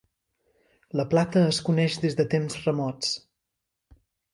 La plata es coneix des de temps remots.